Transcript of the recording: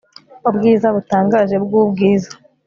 Ubwiza butangaje bwubwiza